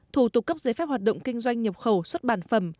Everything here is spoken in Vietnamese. thủ tục cấp giấy phép hoạt động kinh doanh nhập khẩu xuất bản phẩm